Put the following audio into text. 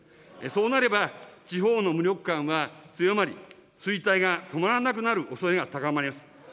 そうなれば、地方の無力感は強まり、衰退が止まらなくなるおそれが高まります。